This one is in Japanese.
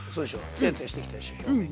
ツヤツヤしてきたでしょ表面が。